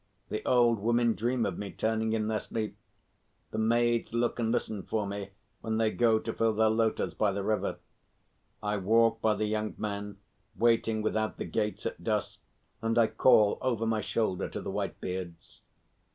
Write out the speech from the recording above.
The old women dream of me turning in their sleep; the maids look and listen for me when they go to fill their lotahs by the river. I walk by the young men waiting without the gates at dusk, and I call over my shoulder to the white beards.